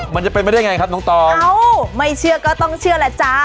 มันจะเป็นไปได้ไงครับน้องตองเอ้าไม่เชื่อก็ต้องเชื่อแล้วจ้า